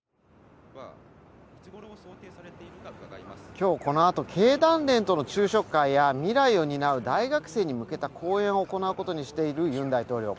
今日、この後経団連との昼食会や未来を担う大学生に向けた講演を行うことにしているユン大統領。